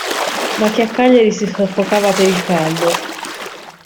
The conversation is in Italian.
Ma che a Cagliari si soffocava per il caldo.